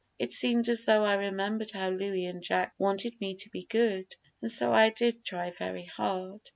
It seemed as though I remembered how Louis and Jack wanted me to be good, and so I did try very hard.